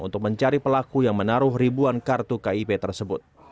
untuk mencari pelaku yang menaruh ribuan kartu kip tersebut